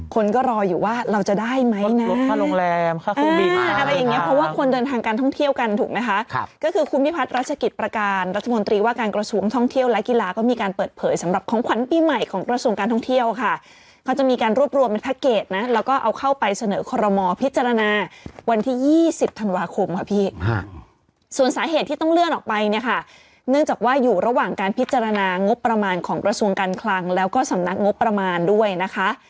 คนก็รออยู่ว่าเราจะได้ไหมนะรถรถรถรถรถรถรถรถรถรถรถรถรถรถรถรถรถรถรถรถรถรถรถรถรถรถรถรถรถรถรถรถรถรถรถรถรถรถรถรถรถรถรถรถรถรถรถรถรถรถรถรถรถรถรถรถรถรถรถรถรถรถรถรถรถรถรถรถรถ